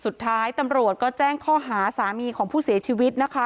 สุดท้ายตำรวจก็แจ้งข้อหาสามีของผู้เสียชีวิตนะคะ